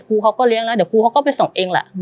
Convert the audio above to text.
ครูเขาก็เลี้ยงแล้วเดี๋ยวครูเขาก็ไปส่งเองแหละ